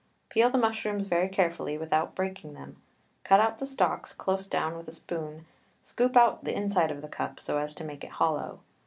Peel the mushrooms very carefully, without breaking them, cut out the stalks close down with a spoon, scoop out the inside of the cup, so as to make it hollow.